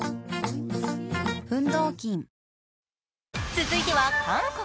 続いては韓国。